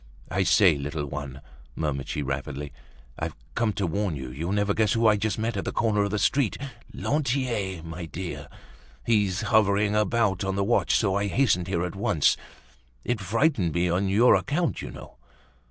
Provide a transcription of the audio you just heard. "I say, little one," murmured she rapidly, "I've come to warn you. You'll never guess who I just met at the corner of the street. Lantier, my dear! He's hovering about on the watch; so I hastened here at once. It frightened me on your account, you know."